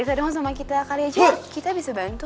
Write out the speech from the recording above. kita dong sama kita kali aja kita bisa bantu